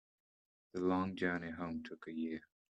The long journey home took a year.